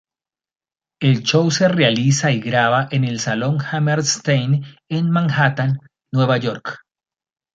El show se realiza y graba en el salón Hammerstein en Manhattan, Nueva York.